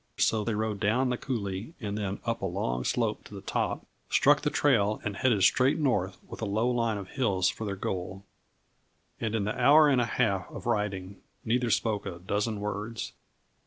So they rode down the coulée and then up a long slope to the top, struck the trail and headed straight north with a low line of hills for their goal. And in the hour and a half of riding, neither spoke a dozen words.